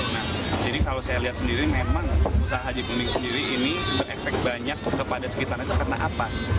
nah jadi kalau saya lihat sendiri memang usaha haji punding sendiri ini berefek banyak kepada sekitar itu karena apa